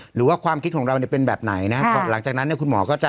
หรือว่าความคิดของเราเนี่ยเป็นแบบไหนนะครับหลังจากนั้นเนี่ยคุณหมอก็จะ